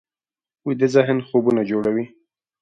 ویده ذهن خوبونه جوړوي